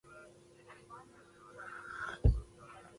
پابندی غرونه د افغان نجونو د پرمختګ لپاره فرصتونه برابروي.